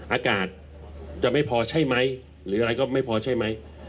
อากาศจะไม่พอใช่ไหมหรืออะไรก็ไม่พอใช่ไหม